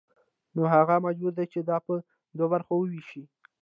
نو هغه مجبور دی چې دا په دوو برخو ووېشي